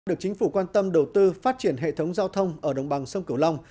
được chính phủ quan tâm đầu tư phát triển hệ thống giao thông ở đồng bằng sông cửu long